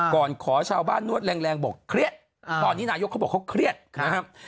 ขอชาวบ้านนวดแรงบอกเครียดตอนนี้นายกเขาบอกเขาเครียดนะครับ